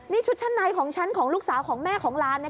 นี่ชุดชั้นในของฉันของลูกสาวของแม่ของหลาน